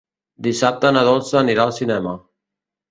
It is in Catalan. Dissabte na Dolça anirà al cinema.